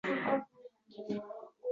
Har kuni, kuchi yetganicha.